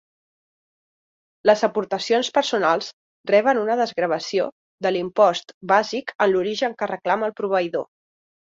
Les aportacions personals reben una desgravació de l'impost bàsic en l'origen que reclama el proveïdor.